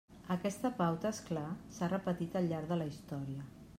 Aquesta pauta, és clar, s'ha repetit al llarg de la història.